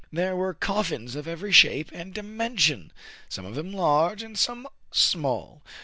There were coffins of every shape and dimen sion, some of them large and some small.